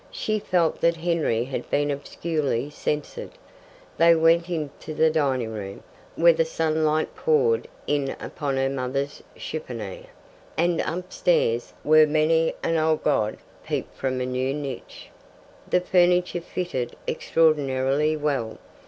She felt that Henry had been obscurely censured. They went into the dining room, where the sunlight poured in upon her mother's chiffonier, and upstairs, where many an old god peeped from a new niche. The furniture fitted extraordinarily well.